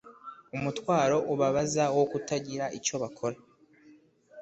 umutwaro ubabaza wo kutagira icyo ukora